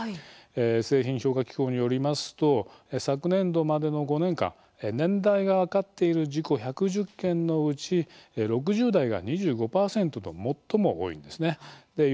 製品評価機構によりますと昨年度までの５年間年代が分かっている事故１１０件のうち６０代が２５％と最も多いんですね。